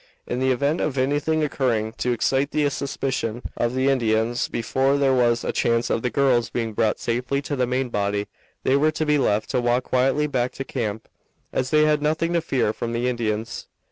In the event of anything occurring to excite the suspicion of the Indians before there was a chance of the girls being brought safely to the main body, they were to be left to walk quietly back to camp, as they had nothing to fear from the Indians.